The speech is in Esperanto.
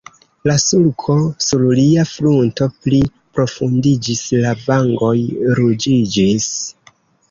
La sulko sur lia frunto pli profundiĝis, la vangoj ruĝiĝis.